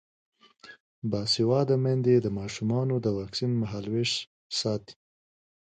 باسواده میندې د ماشومانو د واکسین مهالویش ساتي.